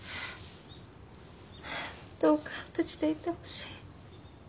どうか無事でいてほしい。